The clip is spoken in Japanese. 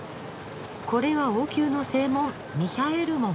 これは王宮の正門ミヒャエル門。